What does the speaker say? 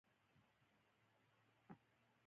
په پانګوالي نظام کې مزد د لازم کار په مقابل کې وي